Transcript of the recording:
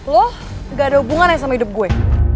lo gak ada hubungan ya sama hidup gue